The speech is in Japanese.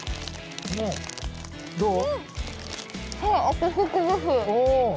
どう？